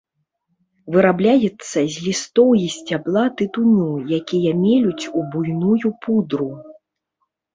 Вырабляецца з лістоў і сцябла тытуню, якія мелюць у буйную пудру.